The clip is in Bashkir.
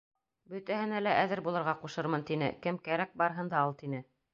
Бөтәһенә лә әҙер булырға ҡушырмын, тине, кем кәрәк, барыһын да ал, тине.